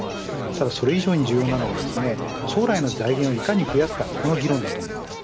それ以上に重要なのが将来の財源をいかに増やすかこの議論です。